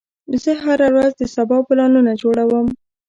زه هره ورځ د سبا پلانونه جوړوم.